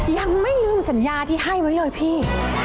ยังไม่ลืมสัญญาที่ให้ไว้เลยพี่